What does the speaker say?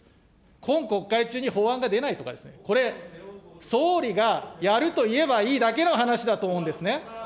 今国会中に法案が出ないとかですね、これ、総理がやると言えばいいだけの話だと思うんですね。